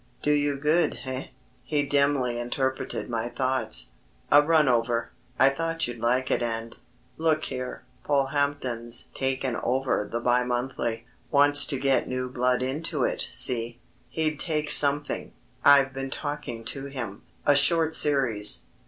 "Do you good, eh?" he dimly interpreted my thoughts. "A run over. I thought you'd like it and, look here, Polehampton's taken over the Bi Monthly; wants to get new blood into it, see? He'd take something. I've been talking to him a short series....